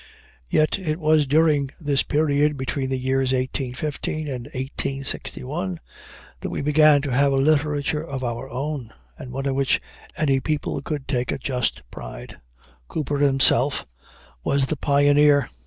Yet it was during this period, between the years 1815 and 1861, that we began to have a literature of our own, and one in which any people could take a just pride. Cooper himself was the pioneer.